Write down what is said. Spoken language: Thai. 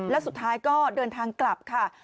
แล้วสุดท้ายก็เดินทางกลับค่ะ